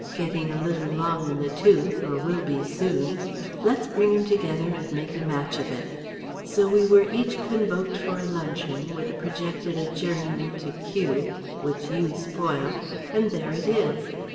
Getting a little long in the tooth or will be soon. Let's bring 'em together and make a match of it.' "So we are each convoked for a luncheon, with a projected adjournment to Kew which you spoilt and there it is.